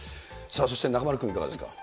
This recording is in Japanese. そして、中丸君、いかがですか。